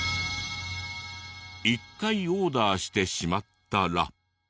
１回オーダーしてしまったら。